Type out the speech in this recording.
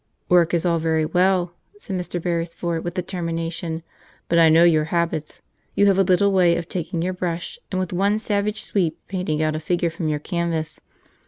"Work is all very well," said Mr. Beresford with determination, "but I know your habits. You have a little way of taking your brush, and with one savage sweep painting out a figure from your canvas.